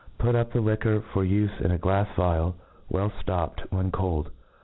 Put up the li(juor for ufe in a glafs vial, well ftopt, when cold.